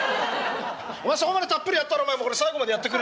お前そこまでたっぷりやったらお前もう最後までやってくれ。